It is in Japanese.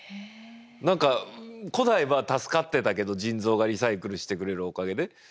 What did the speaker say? なんか古代は助かってたけど腎臓がリサイクルしてくれるおかげで。